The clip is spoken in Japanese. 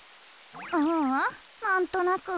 ううんなんとなく。